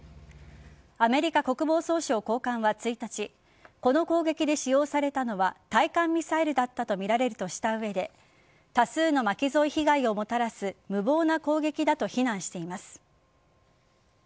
アメリカ国防総省高官は１日この攻撃で使用されたのは対艦ミサイルだったとみられるとした上で多数の巻き添え被害をもたらす無謀な攻撃だと非難しています。